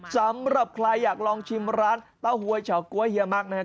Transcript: สำหรับใครอยากลองชิมร้านเต้าหวยเฉาก๊วยเฮียมักนะครับ